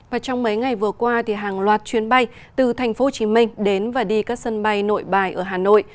và trong mấy ngày vừa qua hàng loạt chuyến bay từ tp hcm đến và đi các sân bay nội bài ở hà nội